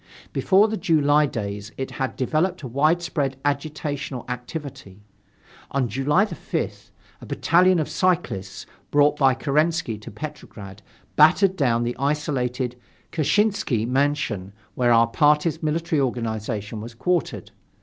Before the July days it had developed a widespread agitational activity. On July 5th, a battalion of cyclists, brought by Kerensky to Petrograd, battered down the isolated Kshessinsky mansion where our party's military organization was quartered.